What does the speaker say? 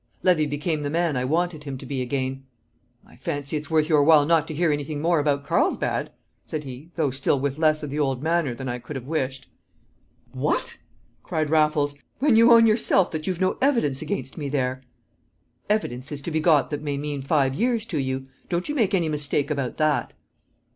Levy became the man I wanted him to be again. "I fancy it's worth your while not to hear anything more about Carlsbad," said he, though still with less of the old manner than I could have wished. "What!" cried Raffles, "when you own yourself that you've no evidence against me there?" "Evidence is to be got that may mean five years to you; don't you make any mistake about that."